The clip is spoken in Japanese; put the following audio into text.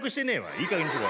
いいかげんにしろ。